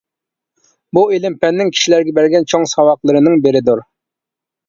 بۇ، ئىلىم-پەننىڭ كىشىلەرگە بەرگەن چوڭ ساۋاقلىرىنىڭ بىرىدۇر.